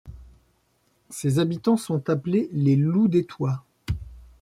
Ses habitants sont appelés les Loudétois.